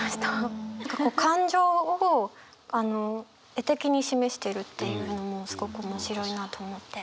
感情を絵的に示してるっていうのもすごく面白いなと思って。